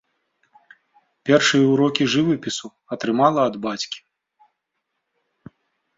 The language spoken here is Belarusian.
Першыя ўрокі жывапісу атрымала ад бацькі.